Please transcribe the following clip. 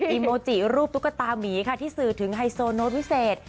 อิโมจิรูปตุ๊กตามีค่ะที่สื่อถึงไฮโซโน้ตวิเศษ